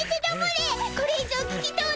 これ以上聞きとうない！